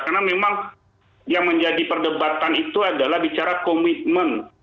karena memang yang menjadi perdebatan itu adalah bicara komitmen